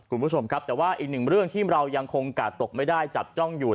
คุณผู้ชมครับแต่ว่าอีกหนึ่งเรื่องที่เรายังคงกาดตกไม่ได้จับจ้องอยู่